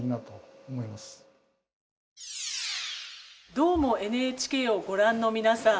「どーも、ＮＨＫ」をご覧の皆さん。